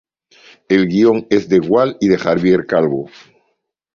El guion es de Gual y de Javier Calvo.